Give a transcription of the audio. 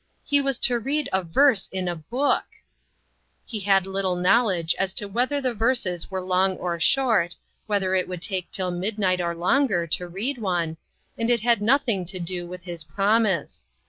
He was to read a verse in a book ! He had little knowledge as to whether the verses were long or short, whether it would take until midnight or longer to read one, and it had nothing to do with his promise.